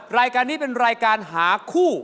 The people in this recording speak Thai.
รายการนี้เป็นรายการหาคู่